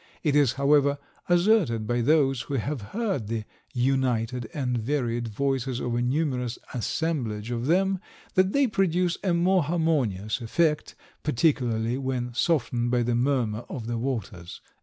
It is, however, asserted by those who have heard the united and varied voices of a numerous assemblage of them, that they produce a more harmonious effect, particularly when softened by the murmur of the waters."